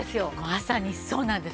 まさにそうなんです。